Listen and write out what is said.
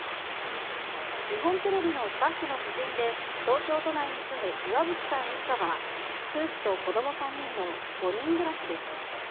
日本テレビのスタッフの知人で、東京都内に住む岩渕さん一家は、夫婦と子ども３人の５人暮らしです。